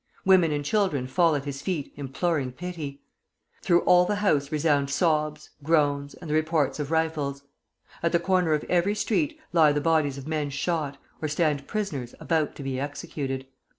Women and children fall at his feet imploring pity; through all the house resound sobs, groans, and the reports of rifles. At the corner of every street lie the bodies of men shot, or stand prisoners about to be executed.